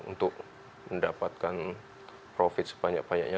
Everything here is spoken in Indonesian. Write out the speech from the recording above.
untuk mendapatkan profit sebanyak banyaknya